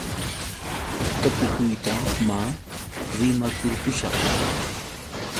Huk tapukuyta maa rimakurqushaq.